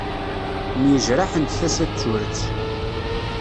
Myejraḥent tasa d turet.